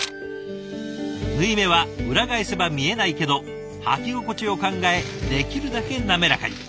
縫い目は裏返せば見えないけど履き心地を考えできるだけ滑らかに。